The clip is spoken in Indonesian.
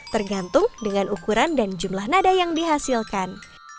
tergantung dengan ukuran dan jumlah nada yang dihasilkan